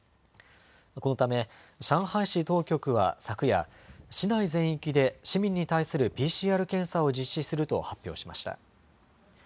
このため上海市当局は昨夜、市内全域で市民に対するＰＣＲ検査を実施すると発表しました。